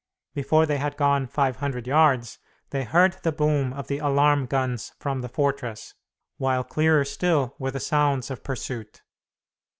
Before they had gone five hundred yards, they heard the boom of the alarm guns from the fortress, while clearer still were the sounds of pursuit.